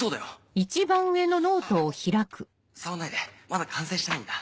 あっ触んないでまだ完成してないんだ。